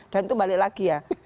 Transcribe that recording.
dan itu balik lagi ya karena itu